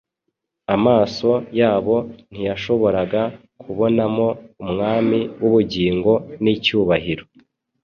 amaso yabo ntiyashoboraga kubonamo Umwami w’ubugingo n’icyubahiro